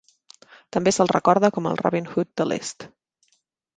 També se'l recorda com el Robin Hood de l'est.